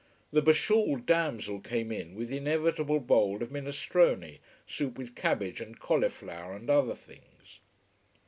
The be shawled damsel came in with the inevitable bowl of minestrone, soup with cabbage and cauliflower and other things.